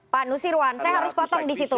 pak nusirwan saya harus potong di situ